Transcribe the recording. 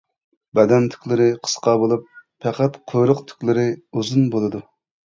بەدەن تۈكلىرى قىسقا بولۇپ، پەقەت قۇيرۇق تۈكلىرى ئۇزۇن بولىدۇ.